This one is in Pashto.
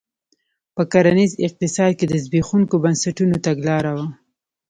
په کرنیز اقتصاد کې د زبېښونکو بنسټونو تګلاره وه.